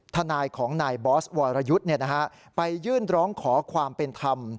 ทนายของนายบอสวรยุทธ์ไปยื่นร้องขอความเป็นธรรม